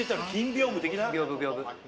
屏風屏風。